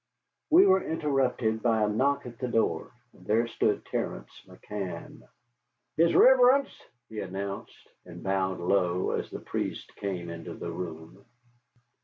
We were interrupted by a knock at the door, and there stood Terence McCann. "His riverence!" he announced, and bowed low as the priest came into the room.